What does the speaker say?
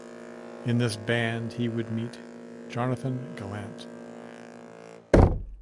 In this band he would meet Jonathan Gallant.